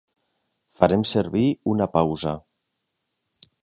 Farem servir una pausa.